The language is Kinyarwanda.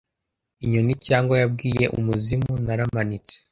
inyoni cyangwa yabwiye umuzimu naramanitse.